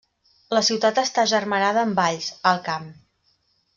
La ciutat està agermanada amb Valls, Alt Camp.